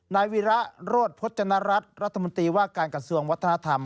นายวิระโรธพจนรัฐรัฐรัฐมนตรีว่าการกระทรวงวัฒนธรรม